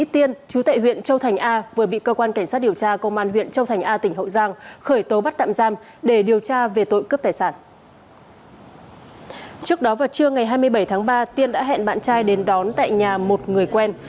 trước đó vào trưa ngày hai mươi bảy tháng ba tiên đã hẹn bạn trai đến đón tại nhà một người quen